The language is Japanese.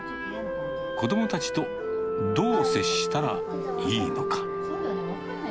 子どもたちとどう接したらいいのか。